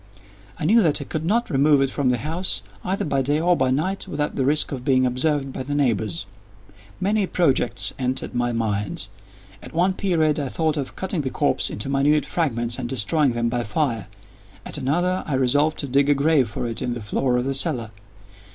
I knew that I could not remove it from the house, either by day or by night, without the risk of being observed by the neighbors. Many projects entered my mind. At one period I thought of cutting the corpse into minute fragments, and destroying them by fire. At another, I resolved to dig a grave for it in the floor of the cellar.